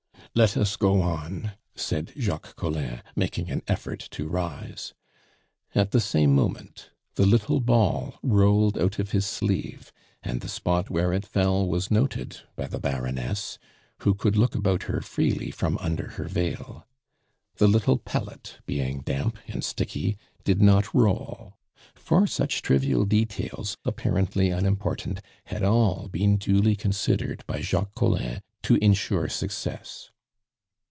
"Let us go on," said Jacques Collin, making an effort to rise. At the same moment the little ball rolled out of his sleeve, and the spot where it fell was noted by the Baroness, who could look about her freely from under her veil. The little pellet, being damp and sticky, did not roll; for such trivial details, apparently unimportant, had all been duly considered by Jacques Collin to insure success.